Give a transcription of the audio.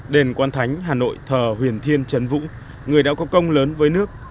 đền quan thánh hà nội thờ huyền thiên trấn vũ người đã có công lớn với nước